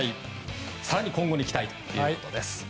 更に今後に期待ということです。